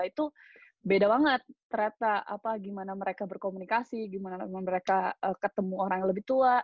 itu beda banget ternyata apa gimana mereka berkomunikasi gimana mereka ketemu orang yang lebih tua